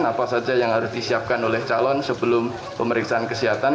apa saja yang harus disiapkan oleh calon sebelum pemeriksaan kesehatan